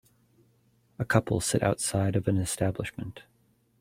A couple sit outside of an establishment.